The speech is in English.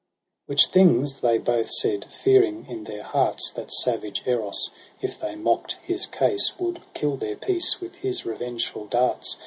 Which things they both said, fearing in their hearts That savage Eros, if they mockt his case. Would kill their peace with his revengeful darts.